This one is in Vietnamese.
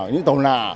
những tàu nạ